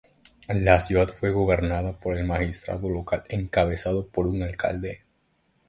La ciudad fue gobernada por el magistrado local encabezado por un alcalde.